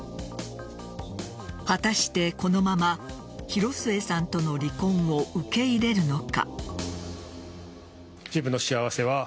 果たして、このまま広末さんとの離婚を受け入れるのか。